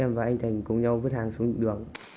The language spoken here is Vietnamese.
và anh thành cùng nhau vứt hàng xuống đường